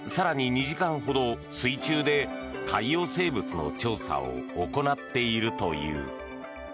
２時間ほど、水中で海洋生物の調査を行っているという。